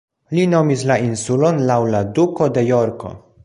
Li nomis la insulon laŭ la Duko de Jorko.